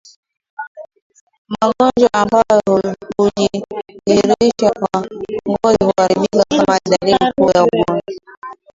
Magonjwa ambayo hujidhihirisha kwa ngozi kuharibika kama dalili kuu ya ugonjwa